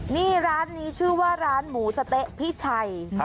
นี่ร้านนี้ชื่อว่าร้านหมูสะเต๊ะพี่ชัย